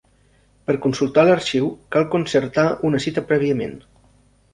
Per consultar l'arxiu cal concertar una cita prèviament.